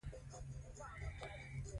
جنګ به زور واخلي.